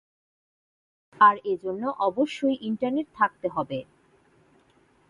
আর এজন্য অবশ্যই ইন্টারনেট থাকতে হবে।